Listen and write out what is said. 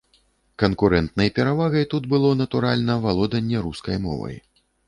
Канкурэнтнай перавагай тут было, натуральна, валоданне рускай мовай.